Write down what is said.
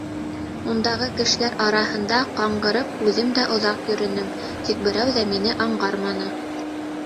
Ундағы кешеләр араһында, ҡаңғырып, үҙем дә оҙаҡ йөрөнөм, тик берәү ҙә мине аңғарманы.